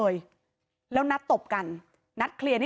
กลุ่มวัยรุ่นฝั่งพระแดง